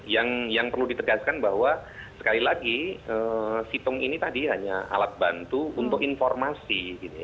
yang perlu ditegaskan bahwa sekali lagi situng ini tadi hanya alat bantu untuk informasi